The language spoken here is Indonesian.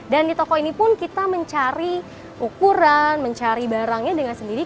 dan di toko ini pun kita mencari ukuran mencari barangnya dengan sendiri